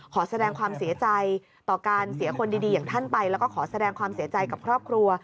ขอแสดงความเสียใจต่อการเสียคนดีอย่างท่านไปแล้วก็ขอแสดงความเสียใจกับครอบครัว